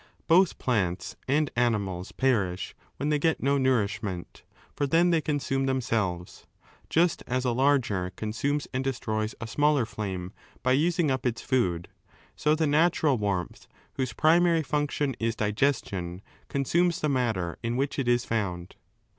Both plants and animals perish when they get no nourishment, for then they consume themselves. Just as a larger con sumes and destroys a smaller flame by using up its food, so the natural warmth, whose primary function is digestion, consumes the matter in which it is found.